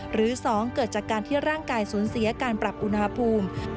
หรือ๒เกิดจากการที่ร่างกายสูญเสียการปรับอุณหภูมิ